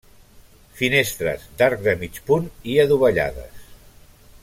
Finestres d'arc de mig punt i adovellades.